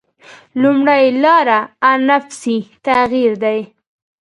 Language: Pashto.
لومړۍ لاره انفسي تغییر ده.